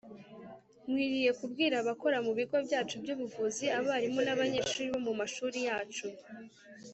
nkwiriye kubwira abakora mu bigo byacu by'ubuvuzi, abarimu n'abanyeshuri bo mu mashuri yacu